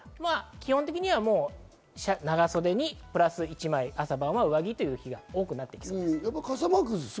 基本的には長袖にプラス１枚、朝晩は必要になってくる日が多くなってきます。